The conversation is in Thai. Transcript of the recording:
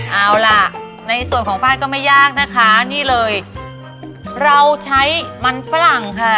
เอาล่ะในส่วนของไฟล์ก็ไม่ยากนะคะนี่เลยเราใช้มันฝรั่งค่ะ